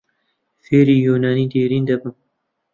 فێری یۆنانیی دێرین دەبم.